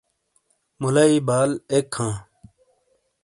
مولایی بال اک ہاں۔